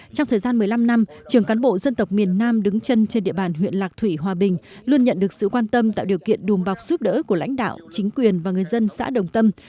trong thời gian một mươi năm năm trường cán bộ dân tộc miền nam đứng chân trên địa bàn huyện lạc thủy hòa bình luôn nhận được sự quan tâm tạo điều kiện đùm bọc giúp đỡ của lãnh đạo chính quyền và người dân xã đồng tâm